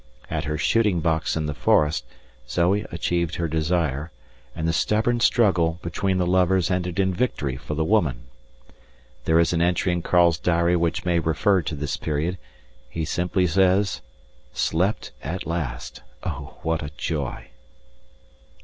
At her shooting box in the forest Zoe achieved her desire, and the stubborn struggle between the lovers ended in victory for the woman. There is an entry in Karl's diary which may refer to this period; he simply says, "Slept at last! Oh, what a joy!"